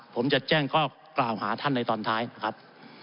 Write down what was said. ผมจะแจ้งข้อกล่าวหาท่านในตอนท้ายนะครับ